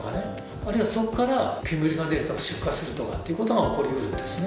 あるいはそこから煙が出るとか出火するとかっていう事が起こり得るんですね。